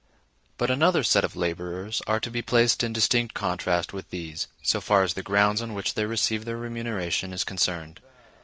But another set of laborers are to be placed in distinct contrast with these, so far as the grounds on which they receive their remuneration is concerned.